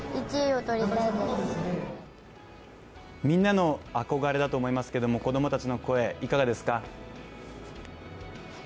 みんなの憧れだと思いますけど子供たちの声、いかがですか。